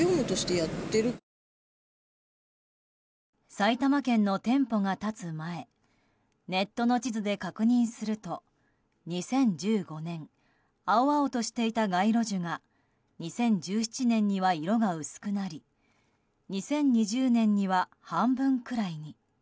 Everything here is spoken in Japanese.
埼玉県の店舗が立つ前ネットの地図で確認すると２０１５年青々としていた街路樹が２０１７年には色が薄くなり２０２０年には半分くらいに。